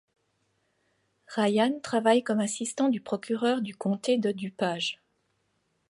Ryan travaille comme assistant du procureur du comté de DuPage.